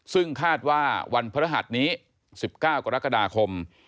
ซึ่งคาดว่าวันพระรหัสนี้๑๙กรกฎาคม